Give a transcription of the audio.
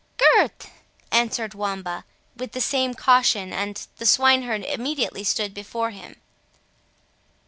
"Gurth!" answered Wamba, with the same caution, and the swineherd immediately stood before him.